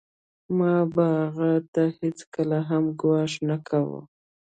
ما به هغه ته هېڅکله هم ګواښ نه کاوه